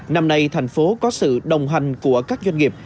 năm nay thành phố có sự đồng hành của các doanh nghiệp